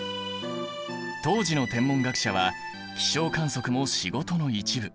当時の天文学者は気象観測も仕事の一部。